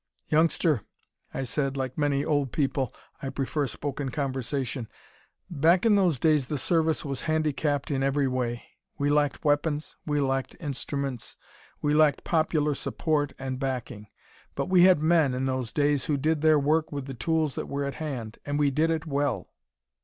"Youngster," I said like many old people, I prefer spoken conversation "back in those days the Service was handicapped in every way. We lacked weapons, we lacked instruments, we lacked popular support, and backing. But we had men, in those days, who did their work with the tools that were at hand. And we did it well."